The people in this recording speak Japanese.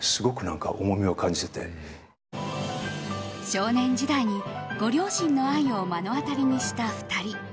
少年時代に、ご両親の愛を目の当たりにした２人。